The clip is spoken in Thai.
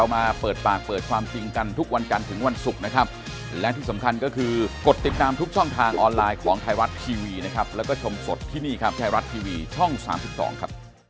ได้ครับได้ทุกวันนะครับได้ครับขอบคุณครับท่านครับขอบคุณครับสวัสดีครับ